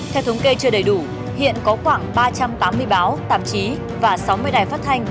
theo thống kê chưa đầy đủ hiện có khoảng ba trăm tám mươi báo tạp chí và sáu mươi đài phát thanh